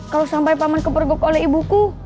kalau sampai paman kepergok oleh ibuku